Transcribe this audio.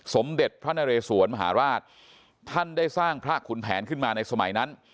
สมเด็จพระนเรสวนมหาราชท่านได้สร้างพระขุนแผนขึ้นมาในสมัยนั้น